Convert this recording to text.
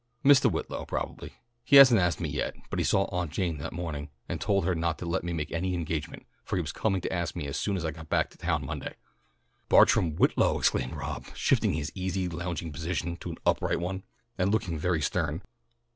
"Mistah Whitlow, probably. He hasn't asked me yet, but he saw Aunt Jane this mawning and told her not to let me make any engagement, for he was coming to ask me as soon as I got back to town Monday." "Bartrom Whitlow!" exclaimed Rob, shifting his easy lounging position to an upright one, and looking very stern.